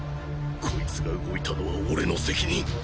こいつが動いたのは俺の責任。